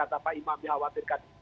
atau pak imam dikhawatirkan